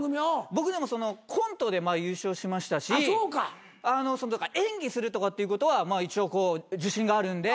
僕でもコントで優勝しましたし演技するとかっていうことは一応自信があるんで。